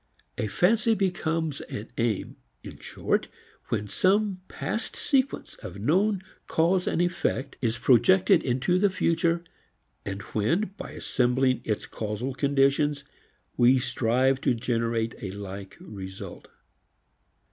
A fancy becomes an aim, in short, when some past sequence of known cause and effect is projected into the future, and when by assembling its causal conditions we strive to generate a like result.